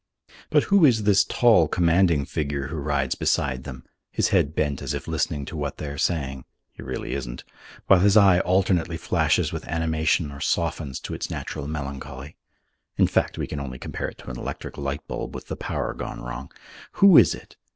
But who is this tall, commanding figure who rides beside them, his head bent as if listening to what they are saying (he really isn't) while his eye alternately flashes with animation or softens to its natural melancholy? (In fact, we can only compare it to an electric light bulb with the power gone wrong.) Who is it?